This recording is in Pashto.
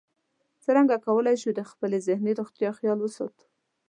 څرنګه کولی شو د خپلې ذهني روغتیا خیال وساتو